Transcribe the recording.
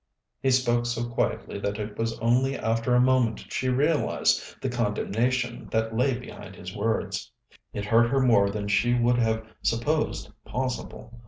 He spoke so quietly that it was only after a moment she realized the condemnation that lay behind his words. It hurt her more than she would have supposed possible.